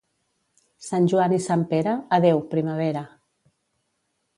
Sant Joan i Sant Pere, adeu, primavera.